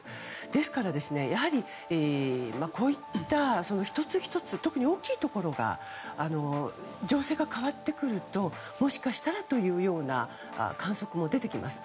ですから、こういった１つ１つ特に大きいところが情勢が変わってくるともしかしたらというような観測も出てきます。